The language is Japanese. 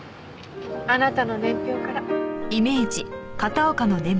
あなたの年表から。